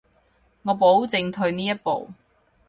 我保證退呢一步